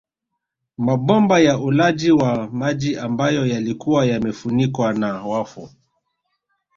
Mabomba ya ulaji wa maji ambayo yalikuwa yamefunikwa na wafu